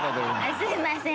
すいません。